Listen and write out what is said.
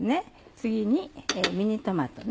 次にミニトマトね。